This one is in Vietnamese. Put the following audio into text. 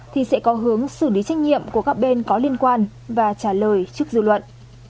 thì sẽ có hướng xử lý trách nhiệm của các bên có liên quan và trả lời trước dư luận